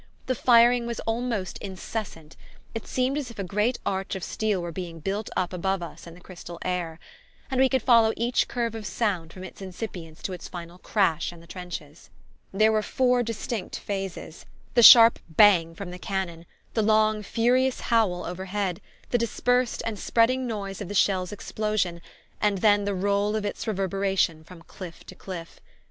The firing was almost incessant; it seemed as if a great arch of steel were being built up above us in the crystal air. And we could follow each curve of sound from its incipience to its final crash in the trenches. There were four distinct phases: the sharp bang from the cannon, the long furious howl overhead, the dispersed and spreading noise of the shell's explosion, and then the roll of its reverberation from cliff to cliff.